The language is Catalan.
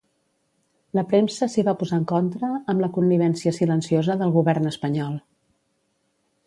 La premsa s'hi va posar en contra amb la connivència silenciosa del govern espanyol.